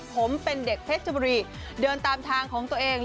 ผมเป็นเด็กเพชรบุรีเดินตามทางของตัวเอง